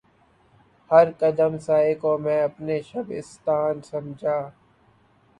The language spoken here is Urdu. ہر قدم سائے کو میں اپنے شبستان سمجھا